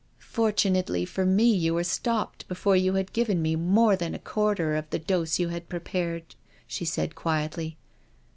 '* Fortunately for me you were stopped before you had given more than a quarter of the dose you had prepared/' she said quietly.